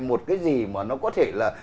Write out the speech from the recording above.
một cái gì mà nó có thể là